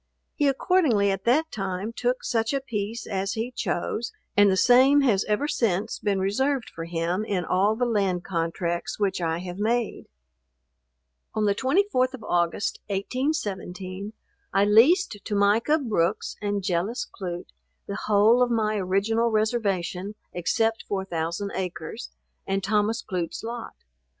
He accordingly at that time took such a piece as he chose, and the same has ever since been reserved for him in all the land contracts which I have made. On the 24th of August, 1817, I leased to Micah Brooks and Jellis Clute, the whole of my original reservation, except 4000 acres, and Thomas Clute's lot.